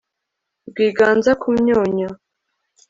Rwiganza ku myunyu